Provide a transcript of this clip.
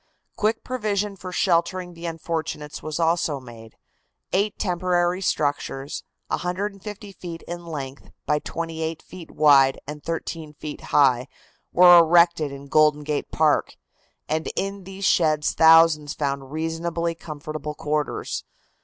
Quick provision for sheltering the unfortunates was also made. Eight temporary structures, 150 feet in length by 28 feet wide and 13 feet high, were erected in Golden Gate Park, and in these sheds thousands found reasonably comfortable quarters.